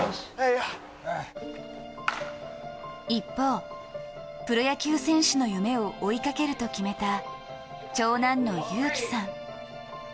一方、プロ野球選手の夢を追いかけると決めた長男の裕樹さん。